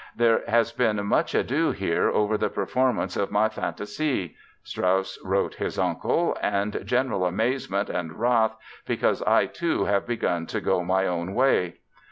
"There has been much ado here over the performance of my Fantasy" Strauss wrote his uncle "and general amazement and wrath because I, too, have begun to go my own way."